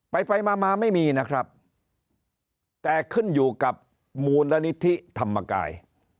ไปไปมามาไม่มีนะครับแต่ขึ้นอยู่กับมูลนิธิธรรมกาย